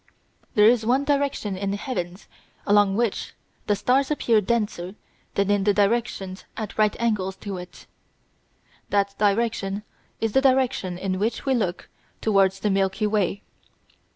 There is one direction in the heavens along which the stars appear denser than in the directions at right angles to it. That direction is the direction in which we look towards the Milky Way.